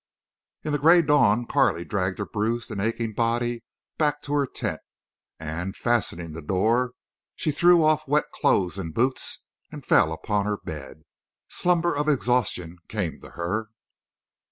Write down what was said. In the gray dawn Carley dragged her bruised and aching body back to her tent, and, fastening the door, she threw off wet clothes and boots and fell upon her bed. Slumber of exhaustion came to her.